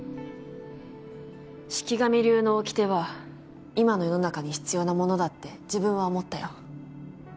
四鬼神流のおきては今の世の中に必要なものだって自分は思ったよ。